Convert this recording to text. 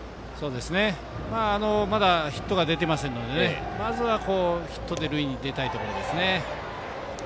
まだ、ヒットが出てませんのでまずはヒットで塁に出たいところですね。